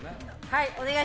はい。